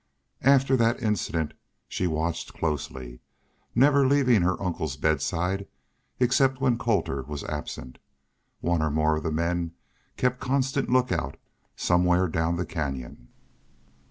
After that incident she watched closely, never leaving her uncle's bedside except when Colter was absent. One or more of the men kept constant lookout somewhere down the canyon.